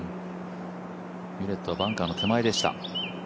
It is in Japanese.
ウィレットはバンカーの手前でした。